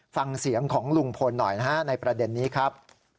ฟังเสียงของลุงพลหน่อยนะฮะในประเด็นนี้ครับ